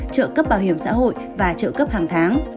trợ cấp bảo hiểm xã hội và trợ cấp hàng tháng